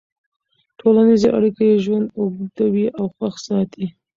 ټولنیزې اړیکې ژوند اوږدوي او خوښ ساتي.